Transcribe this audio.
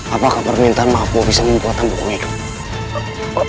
apakah permintaan maafmu bisa membuatkan buku hidup